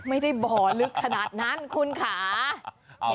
ไม่ได้บ่อลึกขนาดนั้นคุณค่ะ